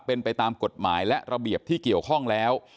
เป็นไปตามกฎหมายและระเบียบที่เกี่ยวข้องแล้ว